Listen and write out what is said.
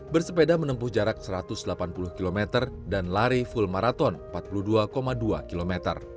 bersepeda menempuh jarak satu ratus delapan puluh km dan lari full marathon empat puluh dua dua km